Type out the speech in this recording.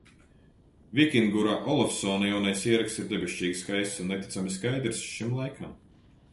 Vikingura Olafsona jaunais ieraksts ir debešķīgi skaists un neticami skaidrs šim laikam.